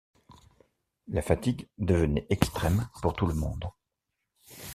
La fatigue devenait extrême pour tout le monde.